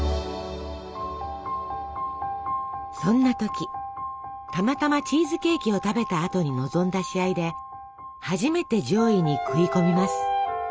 そんな時たまたまチーズケーキを食べたあとに臨んだ試合で初めて上位に食い込みます。